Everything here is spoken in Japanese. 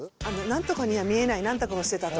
何とかには見えない何とかをしてたと。